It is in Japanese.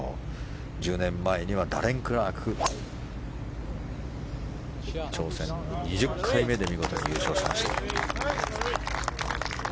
１０年前にはダレン・クラーク挑戦２０回目で見事に優勝しました。